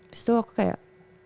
terus tuh aku kayak